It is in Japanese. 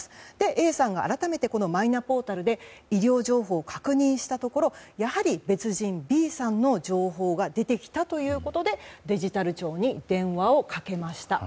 Ａさんが改めてマイナポータルで医療情報を確認したところやはり別人、Ｂさんの情報が出てきたということでデジタル庁に電話をかけました。